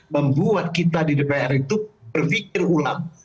membuat kita di dpr itu berpikir ulang